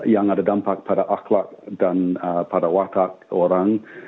yang ada dampak pada akhlak dan para watak orang